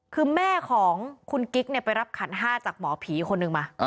คือแม่ของคุณกิ๊กไปรับขันห้าจากหมอผีคนหนึ่งมา